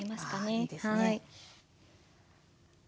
あいいですね。